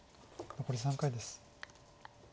残り３回です。